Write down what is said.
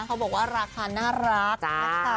เขาบอกว่าราคาน่ารักนะคะ